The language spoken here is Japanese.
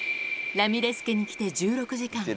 ラミレス家に来て１６時間。